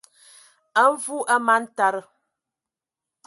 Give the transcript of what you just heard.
A Mvu a man taa,